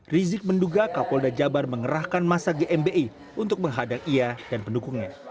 rizik menduga kapolda jabar mengerahkan masa gmbi untuk menghadang ia dan pendukungnya